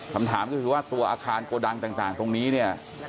ถามถามก็คือว่าส่วนอาคารโกดังต่างตรงนี้